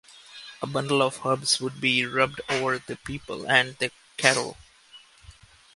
A bundle of herbs would be rubbed over the people and the cattle.